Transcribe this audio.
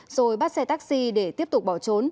rồi bắt xe taxi để tiếp tục bỏ trốn